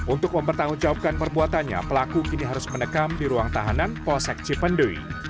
untuk mempertanggungjawabkan perbuatannya pelaku kini harus menekam di ruang tahanan polsek cipendui